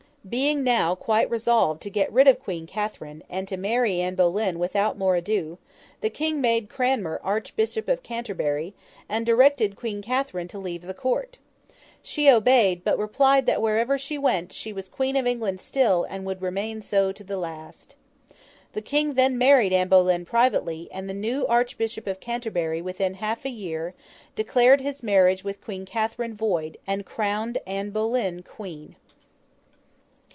Being now quite resolved to get rid of Queen Catherine, and to marry Anne Boleyn without more ado, the King made Cranmer Archbishop of Canterbury, and directed Queen Catherine to leave the Court. She obeyed; but replied that wherever she went, she was Queen of England still, and would remain so, to the last. The King then married Anne Boleyn privately; and the new Archbishop of Canterbury, within half a year, declared his marriage with Queen Catherine void, and crowned Anne Boleyn Queen.